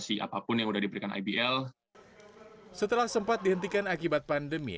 setelah sempat dihentikan akibat pandemi